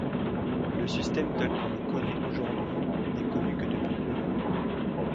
Le système tel qu'on le connaît aujourd'hui n'est connu que depuis peu.